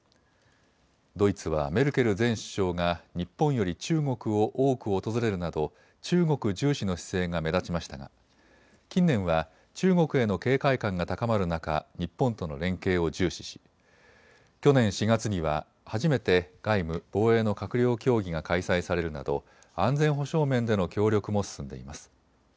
ドイツはメルケル前首相が日本より中国を多く訪れるなど中国重視の姿勢が目立ちましたが近年は中国への警戒感が高まる中、日本との連携を重視し去年４月には初めて外務・防衛の閣僚協議が開催されるなど安全保障面での協力も進んでいます。